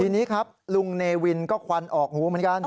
ทีนี้ครับลุงเนวินก็ควันออกหูเหมือนกัน